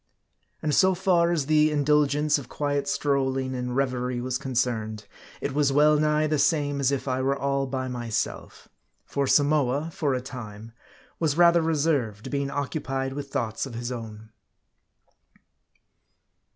And so far as the indulgence of quiet strolling and reverie was concerned, it was well nigh the same as if I were all by myself. For Samoa, for a time, was rather reserved, being occupied with thoughts of his own.